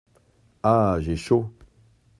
Ah ! j’ai chaud !…